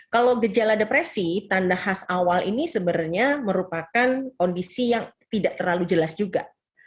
kalau gejala depresi tanda khas awal ini sebenarnya merupakan kondisi yang tidak terlalu jelas juga